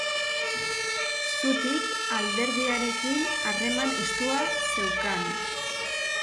Zutik alderdiarekin harreman estua zeukan.